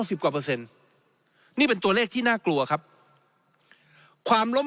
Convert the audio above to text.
สิบกว่าเปอร์เซ็นต์นี่เป็นตัวเลขที่น่ากลัวครับความล้ม